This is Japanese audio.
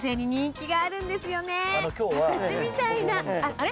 あれ？